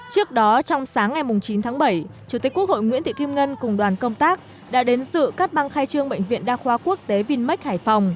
trước đó trong sáng ngày chín tháng bảy chủ tịch quốc hội nguyễn thị kim ngân cùng đoàn công tác đã đến dự cắt băng khai trương bệnh viện đa khoa quốc tế vinmec hải phòng